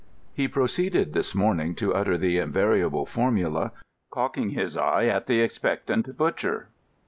He proceeded this morning to utter the invariable formula, cocking his eye at the expectant butcher.